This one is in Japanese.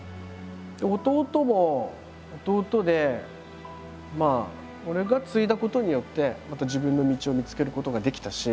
弟も弟で俺が継いだことによってまた自分の道を見つけることができたし。